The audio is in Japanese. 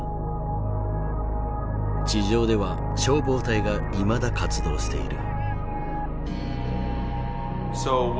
地上では消防隊がいまだ活動している。